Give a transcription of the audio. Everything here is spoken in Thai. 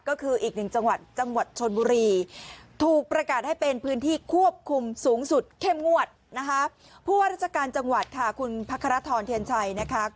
ก็คืออีกหนึ่งจังหวัดจังหวัดชนบุรี